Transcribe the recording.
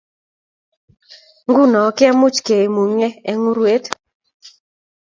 nguno komuch kemungye eng urwet